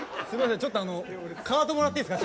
ちょっとあのカートもらっていいですか？